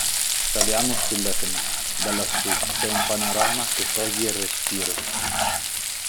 Saliamo sull'Etna, da lassù c'è un panorama che toglie il respiro!